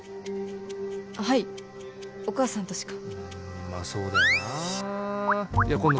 あっはいお母さんとしかまっそうだよな今度